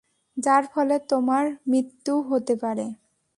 যার ফলে তোমার মৃত্যুও হতে পারে।